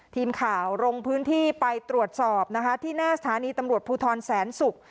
ทีมข่าวลงพื้นที่ไปตรวจสอบนะคะที่หน้าสถานีตำรวจภูทรแสนศุกร์